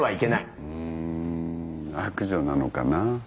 うん悪女なのかな？